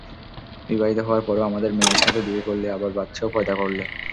বিবাহিত হওয়ার পরেও, আমাদের মেয়ের সাথে বিয়ে করলি, আবার বাচ্চাও পয়দা করলি!